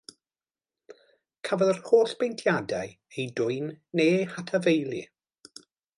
Cafodd yr holl baentiadau eu dwyn neu eu hatafaelu.